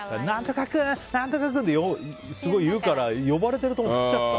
何とか君！ってすごい言うから呼ばれてると思ってきちゃった。